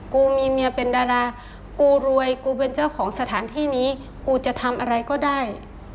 กูมีเมียเป็นดารากูรวยกูเป็นเจ้าของสถานที่นี้กูจะทำอะไรก็ได้